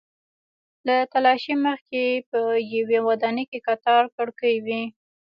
له تالاشۍ مخکې په یوې ودانۍ کې کتار کړکۍ وې.